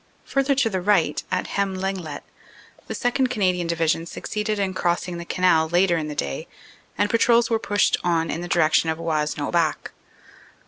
"Further to the right, at Hem Lenglet, the 2nd. Canadian Division succeeded in crossing the Canal later in the day, and patrols were pushed on in the direction of Wasnes au Bac.